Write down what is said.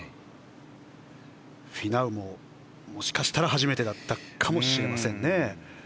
フィナウももしかしたら初めてだったかもしれません。